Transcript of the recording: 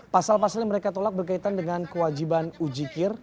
pasal pasalnya mereka tolak berkaitan dengan kewajiban ujikir